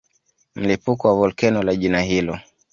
Mlipuko wa volkeno la jina hilo